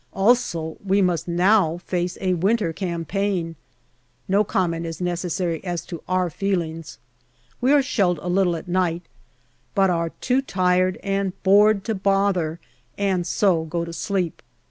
Also, we must now face a winter campaign. No comment is necessary as to our feelings. We are shelled a little at night, but are too tired and bored to bother, and so go to sleep.